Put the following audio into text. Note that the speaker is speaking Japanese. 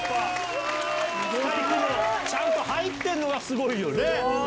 ちゃんと入ってるのがすごいよね。